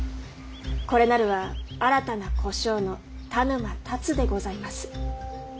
これなるは新たな小姓の田沼龍でございます。